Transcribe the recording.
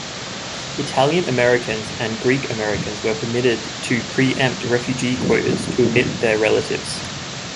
Italian-Americans and Greek-Americans were permitted to pre-empt refugee quotas to admit their relatives.